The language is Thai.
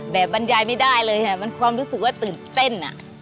บรรยายไม่ได้เลยค่ะมันความรู้สึกว่าตื่นเต้น